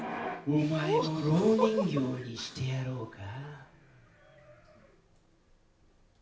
お前も蝋人形にしてやろうか。